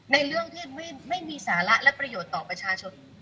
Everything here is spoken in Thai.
เรื่องที่ไม่มีสาระและประโยชน์ต่อประชาชน